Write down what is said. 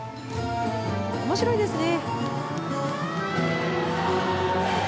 面白いですね。